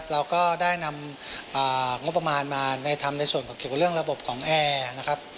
เราก็ได้นำงบประมาณมาทำในส่วนของเกี่ยวกับเรื่องระบบของแอร์นะครับ